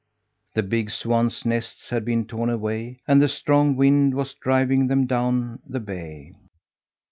The big swans' nests had been torn away, and the strong wind was driving them down the bay.